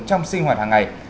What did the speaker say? trong sinh hoạt của anh tâm